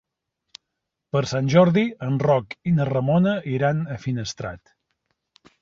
Per Sant Jordi en Roc i na Ramona iran a Finestrat.